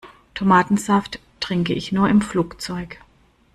Tomatensaft trinke ich nur im Flugzeug.